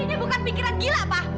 ini bukan pikiran gila pak